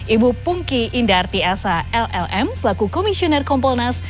ibu pungki indartiasa llm selaku komisioner kompolnas